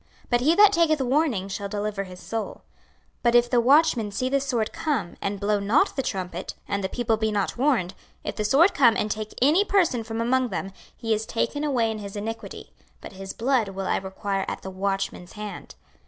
But he that taketh warning shall deliver his soul. 26:033:006 But if the watchman see the sword come, and blow not the trumpet, and the people be not warned; if the sword come, and take any person from among them, he is taken away in his iniquity; but his blood will I require at the watchman's hand.